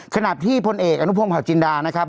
ขนาดที่พลเอกอนุพงษ์พธิ์จีนดานะครับ